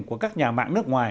của các nhà mạng nước ngoài